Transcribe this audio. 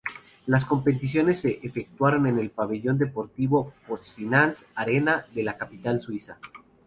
Las competiciones se efectuaron en el pabellón deportivo PostFinance-Arena de la capital suiza.